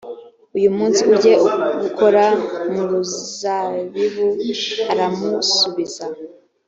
uyu munsi ujye gukora mu ruzabibu aramusubiza